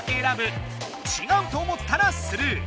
ちがうと思ったらスルー。